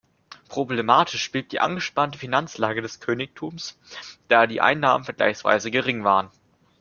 Problematisch blieb die angespannte Finanzlage des Königtums, da die Einnahmen vergleichsweise gering waren.